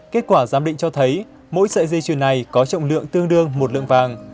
kết quả giám định cho thấy mỗi sợi dây chuyền này có trọng lượng tương đương một lượng vàng